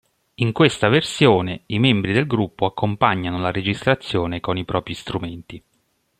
In questa versione, i membri del gruppo accompagnano la registrazione con i propri strumenti.